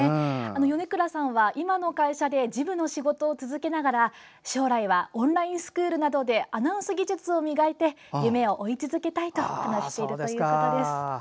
米倉さんは今の会社で事務の仕事を続けながら将来はオンラインスクールなどでアナウンス技術を磨いて夢を追い続けたいと話しているということです。